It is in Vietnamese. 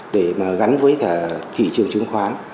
để gắn với thị trường chứng khoán